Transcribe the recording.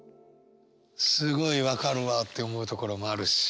すごい分かるわって思うところもあるし。